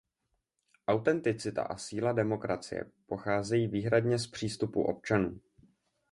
Autenticita a síla demokracie pocházejí výhradně z přístupu občanů.